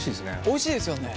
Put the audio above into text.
おいしいですよね。